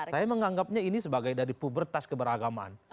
saya menganggapnya ini sebagai dari pubertas keberagamaan